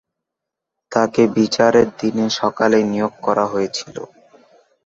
তাকে বিচারের দিন সকালে নিয়োগ করা হয়েছিল।